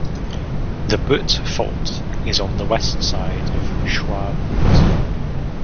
The Butte Fault is on the west side of Chuar Butte.